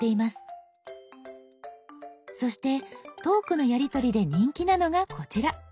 そしてトークのやりとりで人気なのがこちら。